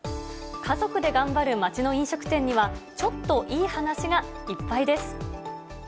家族で頑張る町の飲食店には、ちょっといい話がいっぱいです。